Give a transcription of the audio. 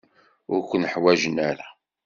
Ur ken-ḥwajen ara.